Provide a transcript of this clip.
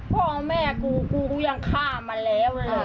พ่อแม่กูกูก็ยังฆ่ามันแล้ว